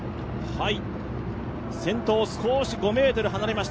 先頭は５ｍ離れました。